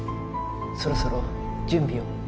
そろそろ準備を。